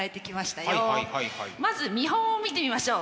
まず見本を見てみましょう。